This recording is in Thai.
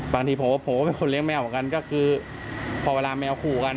บางทีโผล่เป็นคนเลี้ยแมวเหมือนกันก็คือพอเวลาแมวคู่กัน